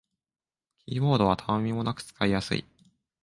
キーボードはたわみもなく使いやすい